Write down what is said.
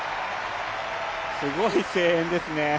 すごい声援ですね。